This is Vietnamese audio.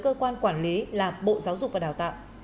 cơ quan quản lý là bộ giáo dục và đào tạo